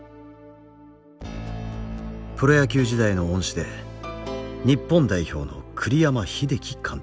プロ野球時代の恩師で日本代表の栗山英樹監督。